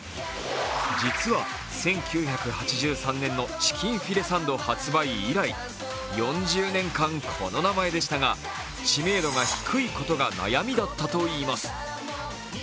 実は１９８３年のチキンフィレサンド発売以来４０年間この名前でしたが、知名度が低いことが悩みだったといいます。